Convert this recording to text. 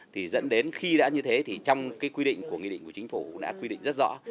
thì dẫn đến khi đã như thế thì trong cái quy định của nghị định của chính phủ đã quy định rất rõ